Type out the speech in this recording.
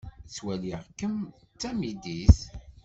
Ttwaliɣ-kem d tamidit.